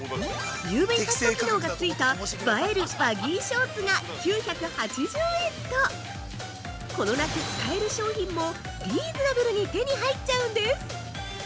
ＵＶカット機能が付いた映えるバギーショーツが９８０円と、この夏使える商品もリーズナブルに手に入っちゃうんです。